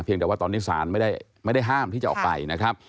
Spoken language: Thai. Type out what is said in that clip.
เพียงแต่ว่าตอนนี้สารไม่ได้ห้ามที่จะออกไป